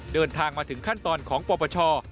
เดินทางมาถึงขั้นตอนของปปช